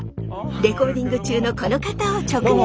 レコーディング中のこの方を直撃！